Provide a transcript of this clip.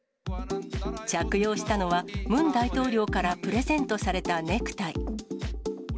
着用したのは、ムン大統領からプレゼントされたネクタイ。